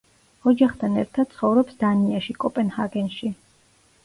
ოჯახთან ერთდ ცხოვრობს დანიაში, კოპენჰაგენში.